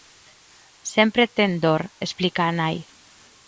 "Sempre ten dor", explica a nai.